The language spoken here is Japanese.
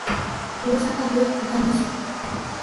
大阪府交野市